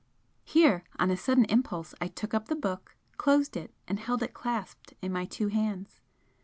Here, on a sudden impulse, I took up the book, closed it and held it clasped in my two hands.